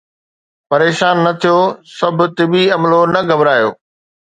پريشان نه ٿيو، سڀ طبي عملو نه گھٻرايو